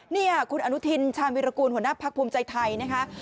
นี่คุณอนุทินชาญวิรากูลหัวหน้าพักภูมิใจไทยนะคะ